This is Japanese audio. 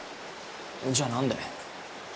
じゃあ何で。